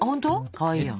かわいいやん。